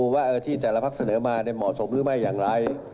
ว่าที่แต่ละพักเสนอมาเหมาะสมหรือไม่อย่างไร